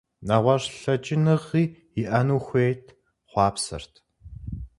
Нэгъуэщӏ лъэкӏыныгъи иӏэну хуейт, хъуапсэрт.